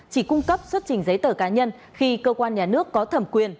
chỉ cung cấp xuất trình giấy tờ cá nhân khi cơ quan nhà nước có thẩm quyền